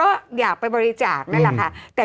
โอเคโอเค